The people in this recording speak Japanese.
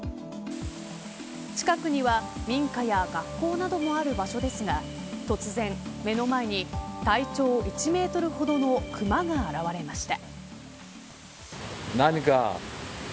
近くには民家や学校などもある場所ですが突然、目の前に体長１メートルほどの熊が現れました。